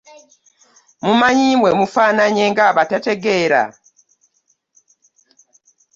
Mumanyi we mufanaganye ng'abatategera?